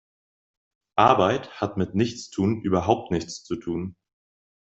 Arbeit hat mit Nichtstun überhaupt nichts zu tun.